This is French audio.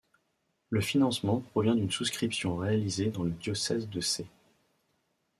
Le financement provient d'une souscription réalisée dans le diocèse de Sées.